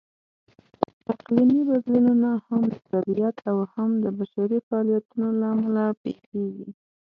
اقلیمي بدلونونه هم د طبیعت او هم د بشري فعالیتونو لهامله پېښېږي.